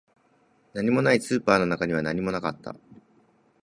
何もない、スーパーの中には何もなかった